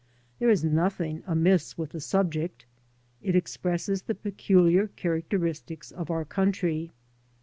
There is nothing amiss with the subject. It expresses the peculiar characteristics of our country.